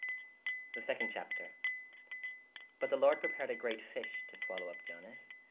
¶ The seconde Chapter. But [the] lorde prepared a greate fyshe/ to swalow vp Ionas.